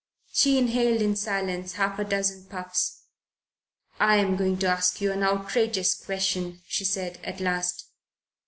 She inhaled in silence half a dozen puffs. "I'm going to ask you an outrageous question," she said, at last.